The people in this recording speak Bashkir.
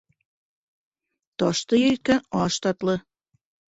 Ташты иреткән аш татлы.